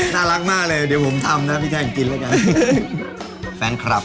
น่ารักมากเลยเดี๋ยวผมทำนะพี่แทงกินละกัน